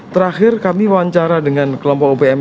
terakhir kami wawancara dengan kelompok opm